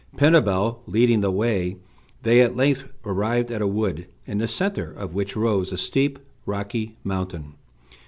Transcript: Pinabel leading the way, they at length arrived at a wood, in the centre of which rose a steep, rocky mountain.